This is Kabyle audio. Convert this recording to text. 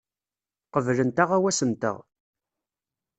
Qeblent aɣawas-nteɣ.